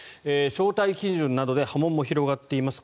招待基準などで波紋も広がっています